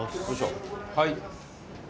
はい。